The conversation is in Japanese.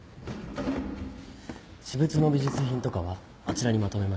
私物の美術品とかはあちらにまとめました。